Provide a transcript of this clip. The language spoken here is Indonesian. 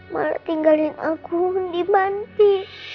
mereka tinggalin aku di panti